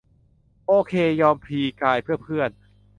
โอเค ยอมพลีกาย เพื่อเพื่อน